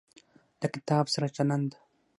له کتاب سره چلند